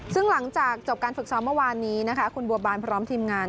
ซึ่งหลังจากจบการฝึกซ้อมเมื่อวานนี้นะคะคุณบัวบานพร้อมทีมงาน